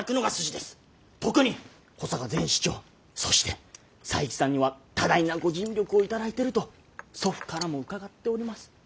特に保坂前市長そして佐伯さんには多大なご尽力を頂いてると祖父からも伺っております。